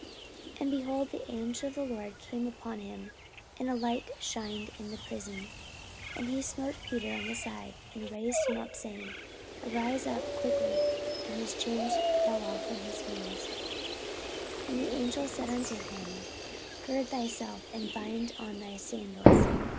44:012:007 And, behold, the angel of the Lord came upon him, and a light shined in the prison: and he smote Peter on the side, and raised him up, saying, Arise up quickly. And his chains fell off from his hands. 44:012:008 And the angel said unto him, Gird thyself, and bind on thy sandals.